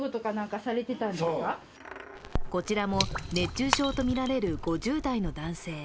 こちらも熱中症とみられる５０代の男性。